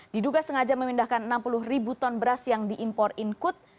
diduga sengaja memindahkan enam puluh ribu ton beras yang diimpor inkut